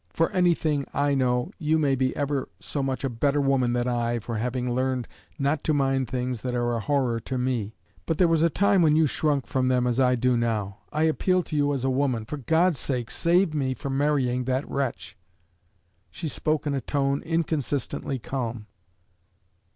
For anything I know, you may be ever so much a better woman than I, for having learned not to mind things that are a horror to me. But there was a time when you shrunk from them as I do now. I appeal to you as a woman: for God's sake, save me from marrying that wretch!" She spoke in a tone inconsistently calm.